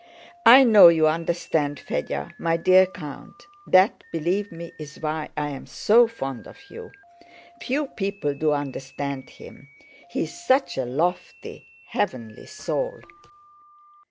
I know you understand Fédya, my dear count; that, believe me, is why I am so fond of you. Few people do understand him. He is such a lofty, heavenly soul!"